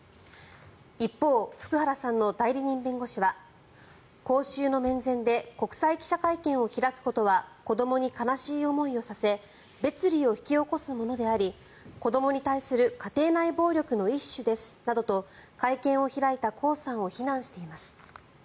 一方、福原さんの代理人弁護士は公衆の面前で国際記者会見を開くことは子どもに悲しい思いをさせ別離を引き起こすものであり子どもに対する家庭内暴力の一種ですなどと会見を開いたコウさんを非難しています。